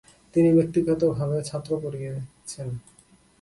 তিনি ব্যক্তিগতভাবে ছাত্র পড়িয়েছেন।